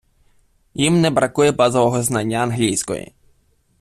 їм не бракує базового знання англійської